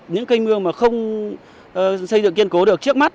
những cây mương mà không xây dựng kiên cố được trước mắt